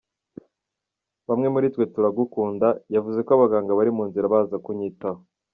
Bamwe muri twe turagukunda.”Yavuze ko abaganga bari mu nzira baza kunyitaho.